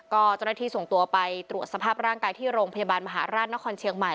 ก็เจ้าหน้าที่ส่งตัวไปตรวจสภาพร่างกายที่โรงพยาบาลมหาราชนครเชียงใหม่